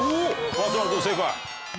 松丸君正解。